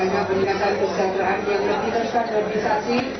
adalah penyelesaian kejaderaan yang lebih terkandalkisasi